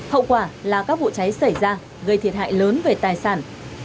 hậu quả là các vụ cháy xảy ra gây thiệt hại lớn về tài sản